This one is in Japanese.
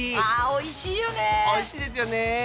おいしいですよね。